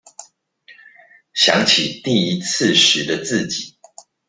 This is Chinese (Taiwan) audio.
想起第一次時的自己